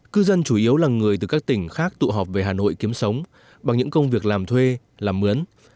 cư dân chủ yếu là người từ các tỉnh khác tụ họp về hà nội kiếm sống bằng những công việc làm thuê làm mướn